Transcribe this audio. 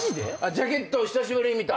ジャケット久しぶりに見た。